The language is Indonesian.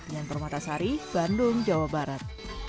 dengan permata sari bandung jawa barat